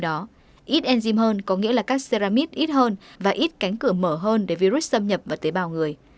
đó ít enzym hơn có nghĩa là các xeramit ít hơn và ít cánh cửa mở hơn để virus xâm nhập vào tế bào người